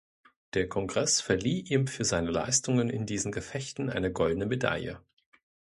Der Kongress verlieh ihm für seine Leistungen in diesen Gefechten eine goldene Medaille.